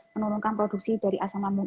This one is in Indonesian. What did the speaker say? menurunkan produksi dari asam lambung